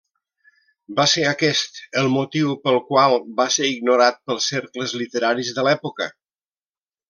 Va ser aquest el motiu pel qual va ser ignorat pels cercles literaris de l'època.